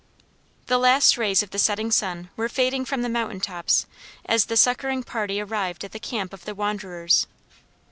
The last rays of the setting sun were fading from the mountain tops as the succoring party arrived at the camp of the wanderers.